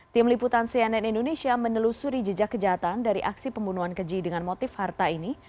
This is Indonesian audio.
tim liputan cnn indonesia menelusuri jejak kejahatan dari aksi pembunuhan keji dengan motif harta ini